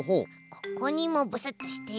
ここにもブスッとして。